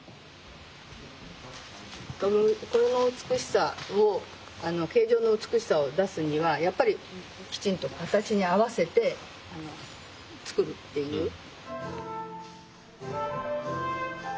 この美しさを形状の美しさを出すにはやっぱりきちんと形に合わせて作るっていう。